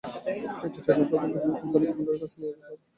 পরে ব্যাগটি টেকনাফ সদর বিজিবির কোম্পানি কমান্ডারের কাছে নিয়ে যান তাঁরা।